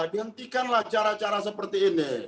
hentikanlah cara cara seperti ini